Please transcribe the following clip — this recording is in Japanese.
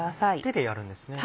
手でやるんですね？